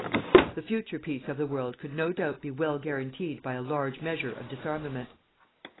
The future peace of the world could no doubt be well guaranteed by a large measure of disarmament.